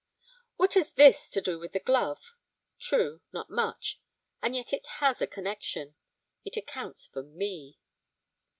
What has this to do with the glove? True, not much, and yet it has a connection it accounts for me.